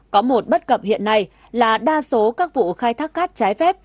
có một bất cập hiện nay là đa số các vụ khai thác cát trái phép